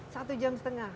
satu jam setengah